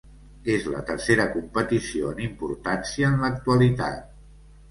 És la tercera competició en importància en l'actualitat.